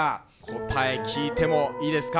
答え聞いてもいいですか？